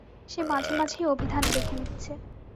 সে মাঝেমাঝেই অভিধান দেখে নিচ্ছে।